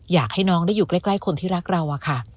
อยากให้น้องได้อยู่ใกล้คนที่รักเราอะค่ะ